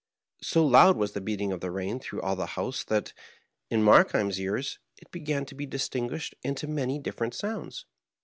So loud was the beating of the rain through all the house that, in Mark heim's ears, it began to be distinguished into many dif ferent sounds.